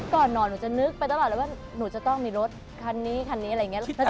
ก่อนนอนหนูจะนึกไปตลอดเลยว่าหนูจะต้องมีรถคันนี้คันนี้อะไรอย่างนี้